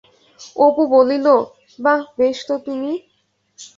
অপু বলিল, বাঃ, বেশ তো তুমি।